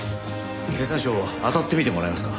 経産省を当たってみてもらえますか？